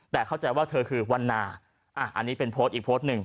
แต่เข้าใจว่าเธอคือวันนาอันนี้เป็นโพสต์อีกโพสต์หนึ่ง